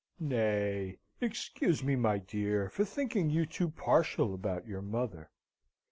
"Nay, excuse me, my dear, for thinking you too partial about your mother.